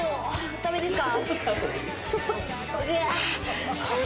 ダメですか。